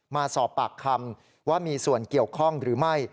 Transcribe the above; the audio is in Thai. มาสอบปากคำว่ามีส่วนเกี่ยวข้องหรือไม่